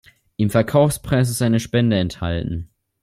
Im Verkaufspreis ist eine Spende enthalten.